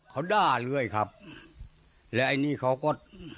เขาด้าเรื่อยครับแล้วไอ้นี่เขาก็